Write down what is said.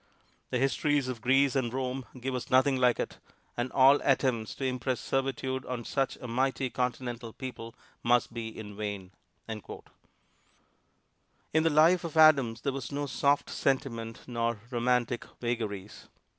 The histories of Greece and Rome give us nothing like it, and all attempts to impress servitude on such a mighty continental people must be in vain." In the life of Adams there was no soft sentiment nor romantic vagaries.